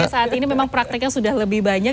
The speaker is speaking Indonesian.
jadi saat ini memang prakteknya sudah lebih banyak